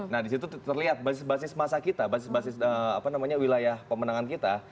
nah disitu terlihat basis basis masa kita basis basis wilayah pemenangan kita